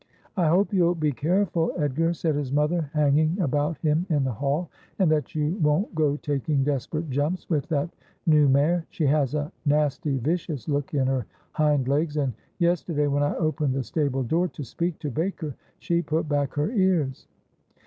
' I hope you'll be careful, Edgar,' said his mother, hanging about him in the hall, ' and that you won't go taking desperate jumps with that new mare. She has a nasty vicious look in her hind legs; and yesterday, when I opened the stable door to speak to Baker, she put back her ears.'